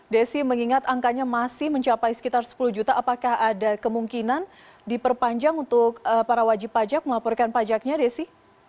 desi mengingat angkanya masih mencapai sekitar sepuluh juta apakah ada kemungkinan diperpanjang untuk para wajib pajak melaporkan pajaknya desi